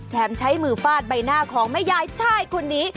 ใช้มือฟาดใบหน้าของแม่ยายชายคนนี้